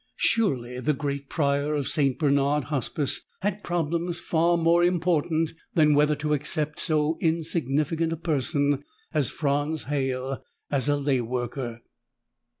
Surely the great Prior of St. Bernard Hospice had problems far more important than whether to accept so insignificant a person as Franz Halle as a lay worker.